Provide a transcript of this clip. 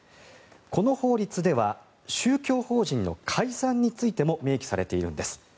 この法律では、宗教法人の解散についても明記されているんです。